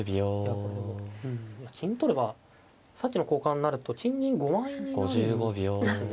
これでも金取ればさっきの交換になると金銀５枚になるんですね。